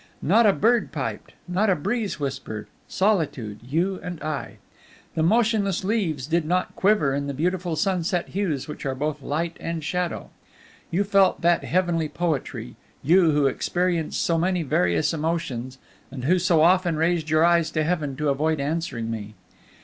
Not a bird piped, not a breeze whispered solitude, you, and I. The motionless leaves did not quiver in the beautiful sunset hues which are both light and shadow. You felt that heavenly poetry you who experienced so many various emotions, and who so often raised your eyes to heaven to avoid answering me.